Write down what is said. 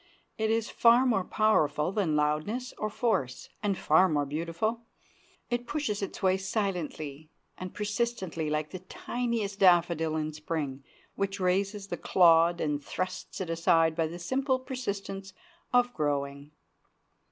It is far more powerful than loudness or force, and far more beautiful. It pushes its way silently and persistently, like the tiniest daffodil in Spring, which raises the clod and thrusts it aside by the simple persistence of growing.